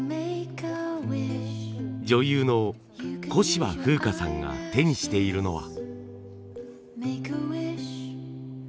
女優の小芝風花さんが手にしているのは。